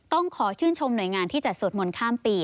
ต้องขอชื่นชมหน่วยงานที่จัดสวดมนต์ข้ามปี